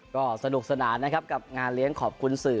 ก็สนุกสนานนะครับกับงานเลี้ยงขอบคุณสื่อ